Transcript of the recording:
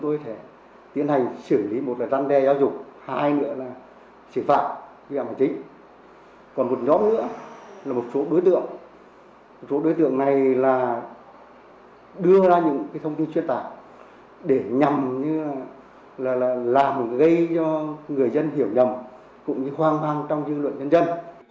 một số đối tượng này là đưa ra những thông tin truyền tả để làm gây cho người dân hiểu nhầm cũng như hoang mang trong dư luận dân dân